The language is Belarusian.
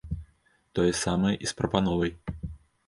Тое самае і з прапановай.